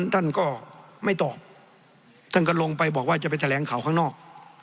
ท่านก็ไม่ตอบท่านก็ลงไปบอกว่าจะไปแถลงข่าวข้างนอก